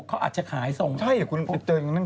เขาอาจจะขายจากซ้าย